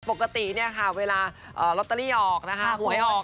ปกติเนี่ยค่ะเวลาลอตเตอรี่ออกนะคะหวยออก